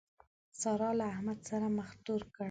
سارا له احمد سره مخ تور کړ.